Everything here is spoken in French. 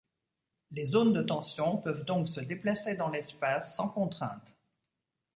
Les zones de tension peuvent donc se déplacer dans l’espace sans contraintes.